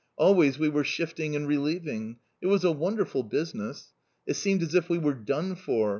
Always we were shifting and relieving. It was a wonderful business. It seemed as if we were done for.